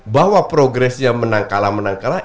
bahwa progresnya menang kalah menang kalah